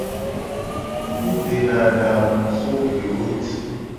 Mi dena adangu so gbewo nguti.